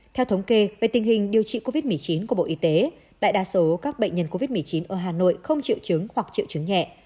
theo thống kê về tình hình điều trị covid một mươi chín của bộ y tế đại đa số các bệnh nhân covid một mươi chín ở hà nội không triệu chứng hoặc triệu chứng nhẹ